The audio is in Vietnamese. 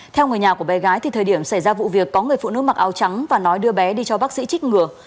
theo người nhà của bé gái thì thời điểm xảy ra vụ việc có người phụ nữ mặc áo trắng và nói đưa bé đi cho bác sĩ trích ngừa